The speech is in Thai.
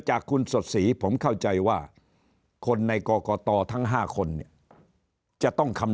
จากคุณสดศรีผมเข้าใจว่าคนในกรกตทั้ง๕คนเนี่ยจะต้องคำ